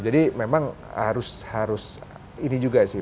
jadi memang harus ini juga sih